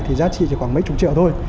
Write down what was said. thì giá trị chỉ khoảng mấy chục triệu thôi